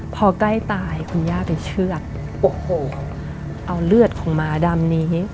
พอใกล้ตายคุณย่าไปเชื่อดโอ้โหเอาเลือดของหมาดำนี้